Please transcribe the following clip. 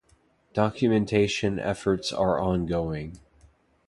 Documentation efforts are ongoing.